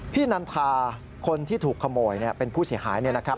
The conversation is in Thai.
นันทาคนที่ถูกขโมยเป็นผู้เสียหายเนี่ยนะครับ